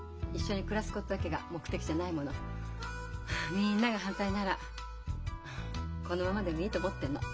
みんなが反対ならこのままでもいいと思ってるの。